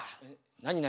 何何？